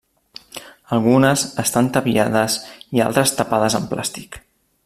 Algunes estan tapiades i altres tapades amb plàstic.